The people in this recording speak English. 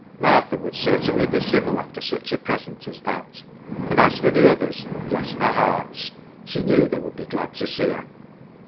Martha would certainly be civil after such a present as that and as for the others, bless their hearts ! she knew they would be glad to see her.